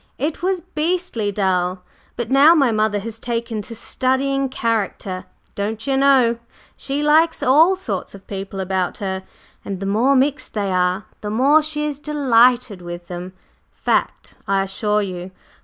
It was beastly dull! But now my mother has taken to 'studying character,' don'cher know; she likes all sorts of people about her, and the more mixed they are the more she is delighted with them. Fact, I assure you!